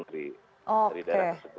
dari daerah tersebut